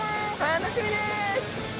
楽しみです！